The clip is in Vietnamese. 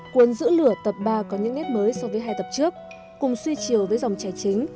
cuốn giữ lửa tập ba có những nét mới so với hai tập trước cùng suy chiều với dòng trẻ chính